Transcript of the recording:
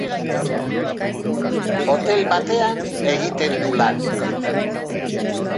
Hotel batean egiten du lan.